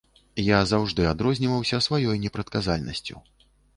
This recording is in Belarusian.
Я заўжды адрозніваўся сваёй непрадказальнасцю.